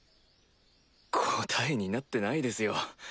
答えになってないですよ。